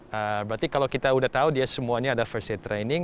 berarti kalau kita udah tahu dia semuanya ada first aid training